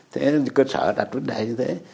thế cơ sở đặt vấn đề như thế